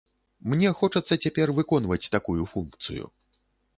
Мне хочацца цяпер выконваць такую функцыю.